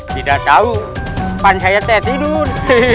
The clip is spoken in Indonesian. tidak tahu pan saya tidur